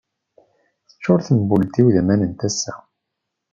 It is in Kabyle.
Teččur tembult-iw d aman n tasa.